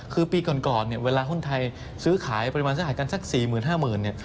คือปีก่อนเวลาหุ้นไทยซื้อขายปริมาณซื้อขายกันซัก๔๐๐๐๐๕๐๐๐๐บาท